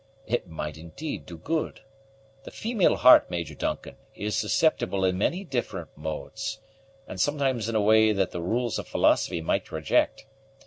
"It might, indeed, do good. The female heart, Major Duncan, is susceptible in many different modes, and sometimes in a way that the rules of philosophy might reject.